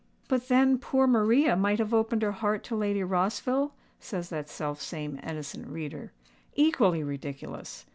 "But, then, poor Maria might have opened her heart to Lady Rossville?" says that self same innocent reader. Equally ridiculous!